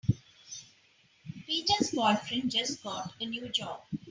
Peter's boyfriend just got a new job.